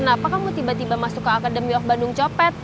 kenapa kamu tiba tiba masuk ke akademiok bandung copet